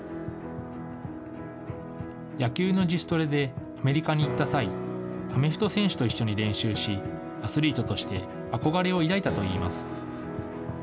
野球の自主トレでアメリカに行った際、アメフト選手と一緒に練習し、アスリートとして憧れを抱いたといいます。